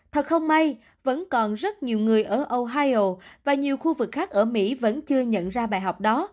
thật không may vẫn còn rất nhiều người ở ohio và nhiều khu vực khác ở mỹ vẫn chưa nhận ra bài học đó